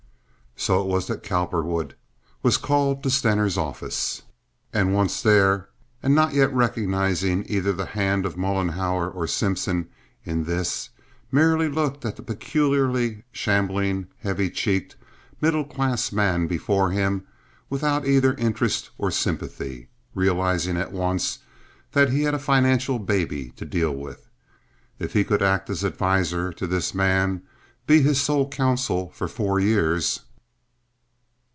So it was that Cowperwood was called to Stener's office. And once there, and not as yet recognizing either the hand of Mollenhauer or Simpson in this, merely looked at the peculiarly shambling, heavy cheeked, middle class man before him without either interest or sympathy, realizing at once that he had a financial baby to deal with. If he could act as adviser to this man—be his sole counsel for four years!